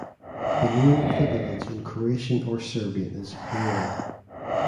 The name of the village in Croatian or Serbian is plural.